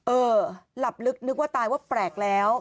เออหลับลึกนึกว่าตายว่าแปลกแล้ว